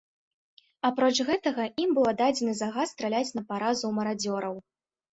Апроч гэтага ім быў аддадзены загад страляць на паразу ў марадзёраў.